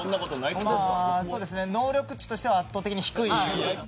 能力地としては圧倒的に低い。